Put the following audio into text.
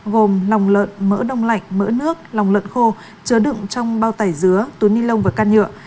gồm lòng lợn mỡ đông lạnh mỡ nước lòng lợn khô chứa đựng trong bao tải dứa túi ni lông và can nhựa